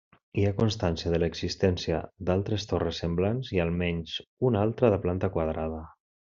Hi ha constància de l'existència d'altres torres semblants i almenys una altra de planta quadrada.